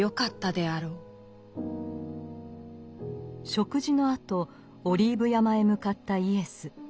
食事のあとオリーブ山へ向かったイエス。